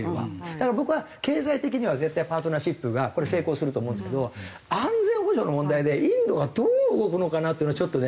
だから僕は経済的には絶対パートナーシップがこれ成功すると思うんですけど安全保障の問題でインドがどう動くのかなっていうのはちょっとね。